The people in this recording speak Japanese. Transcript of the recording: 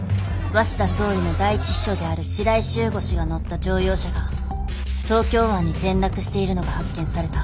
鷲田総理の第一秘書である白井柊吾氏が乗った乗用車が東京湾に転落しているのが発見された。